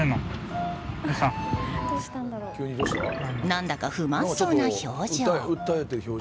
何だか不満そうな表情。